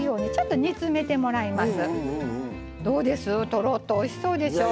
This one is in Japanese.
とろっとおいしそうでしょう？